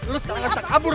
lu sekarang gak bisa kabur